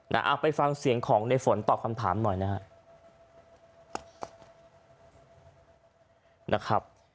เอาไปฟังเสียงของในฝนตอบคำถามหน่อยนะครับ